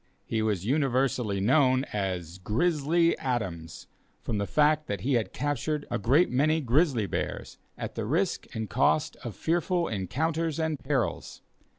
He was universally known as "Grizzly Adams," from the fact that he had captured a great many grizzly bears, at the risk and cost of fearful encounters and perils.